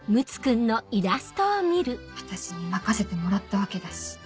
私に任せてもらったわけだし。